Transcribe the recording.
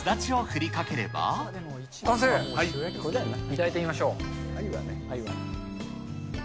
頂いてみましょう。